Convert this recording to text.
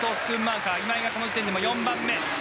今井はこの時点で４番目。